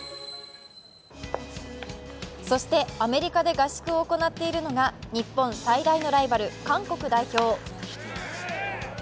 そしてアメリカで合宿を行っているのが日本、最大のライバル・韓国代表。